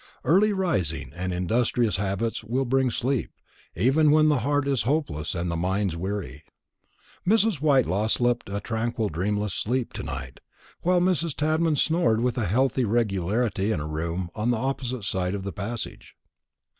Early rising and industrious habits will bring sleep, even when the heart is hopeless and the mind is weary. Mrs. Whitelaw slept a tranquil dreamless sleep to night, while Mrs. Tadman snored with a healthy regularity in a room on the opposite side of the passage.